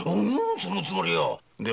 そのつもりよ。